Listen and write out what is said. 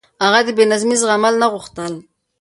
هغه د بې نظمي زغمل نه غوښتل.